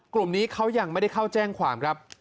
กลุ่มนี้เขายังไม่ได้เข้าแจ้งความครับ